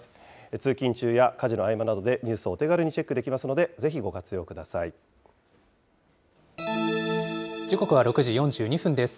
通勤中や家事の合間などでニュースをお手軽にチェックできますの時刻は６時４２分です。